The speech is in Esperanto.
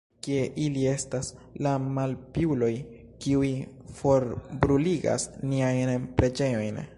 Kie ili estas, la malpiuloj, kiuj forbruligas niajn preĝejojn?